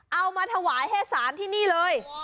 เอามาถวายให้ศาลที่นี่เลย